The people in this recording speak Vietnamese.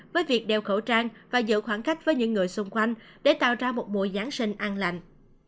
với việc đeo khẩu trang và giữ khoảng cách với những người xung quanh để tạo ra một mùa giáng sinh an lành